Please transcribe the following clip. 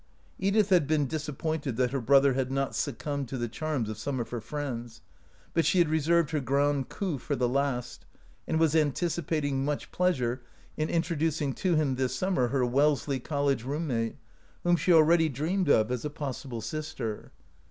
Edith had been disappointed that her brother had not succumbed to the charms of some of her friends ; but she had reserved her grand coup for the last, and was antici pating much pleasure in introducing to him this summer her Wellesley College room mate, whom she already dreamed of as a possible sister.